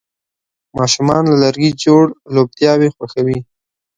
ماشومان له لرګي جوړ لوبتیاوې خوښوي.